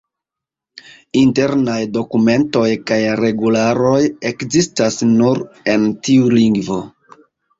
Internaj dokumentoj kaj regularoj ekzistas nur en tiu lingvo.